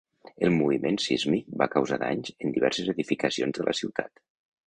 El moviment sísmic va causar danys en diverses edificacions de la ciutat.